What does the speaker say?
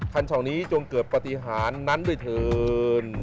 ช่องนี้จงเกิดปฏิหารนั้นด้วยเถิน